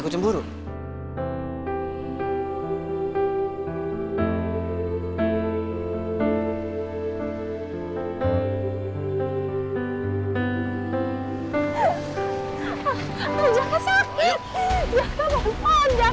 ah udah deh gak usah alesan